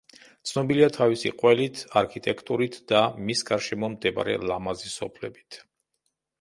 ცნობილია თავისი ყველით, არქიტექტურით და მის გარშემო მდებარე ლამაზი სოფლებით.